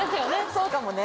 そうかもね。